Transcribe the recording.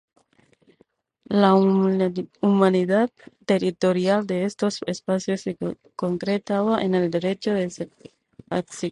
La inmunidad territorial de estos espacios se concretaba en el derecho de asilo eclesiástico.